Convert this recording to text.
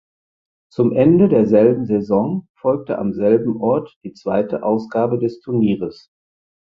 Zum Ende derselben Saison folgte am selben Ort die zweite Ausgabe des Turnieres.